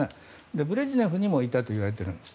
ブレジネフにもいたといわれているんです。